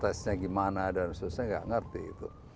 terserah saya gimana dan sebagainya nggak ngerti gitu